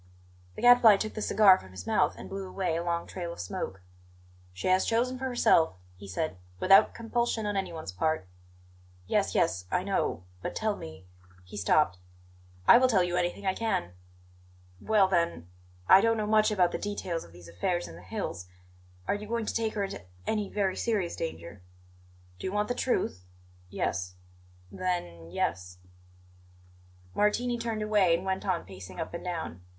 The Gadfly took the cigar from his mouth and blew away a long trail of smoke. "She has chosen for herself," he said, "without compulsion on anyone's part." "Yes, yes I know. But tell me " He stopped. "I will tell you anything I can." "Well, then I don't know much about the details of these affairs in the hills, are you going to take her into any very serious danger?" "Do you want the truth?" "Yes." "Then yes." Martini turned away and went on pacing up and down.